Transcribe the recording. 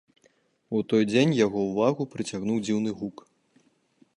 У той дзень яго ўвагу прыцягнуў дзіўны гук.